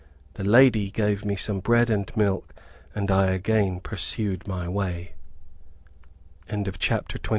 The lady gave me some bread and milk, and I again pursued my way. CHAPTER XXV.